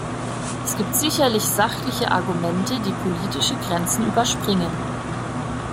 Es gibt sicherlich sachliche Argumente, die politische Grenzen überspringen.